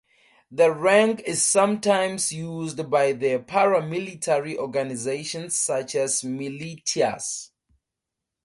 The rank is sometimes used by paramilitary organizations such as militias.